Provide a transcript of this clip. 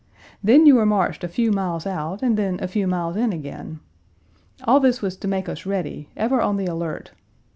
Then you were marched a few miles out and then a few miles in again. All this was to make us ready, ever on the alert.